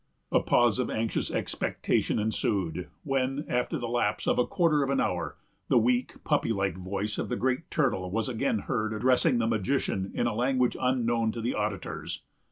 A pause of anxious expectation ensued; when, after the lapse of a quarter of an hour, the weak, puppy like voice of the Great Turtle was again heard addressing the magician in a language unknown to the auditors.